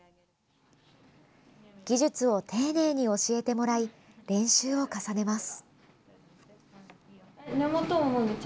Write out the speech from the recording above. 技術を丁寧に教えてもらい練習を重ねます。